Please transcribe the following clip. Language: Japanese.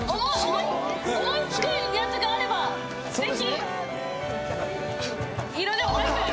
思い付くやつがあればぜひ。